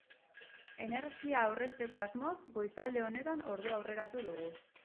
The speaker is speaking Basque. Energia aurrezteko asmoz, goizalde honetan ordua aurreratu dugu.